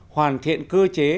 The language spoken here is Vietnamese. hoàn thiện cơ chế